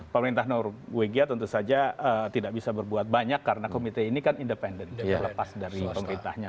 pemerintah norwegia tentu saja tidak bisa berbuat banyak karena komite ini kan independen lepas dari pemerintahnya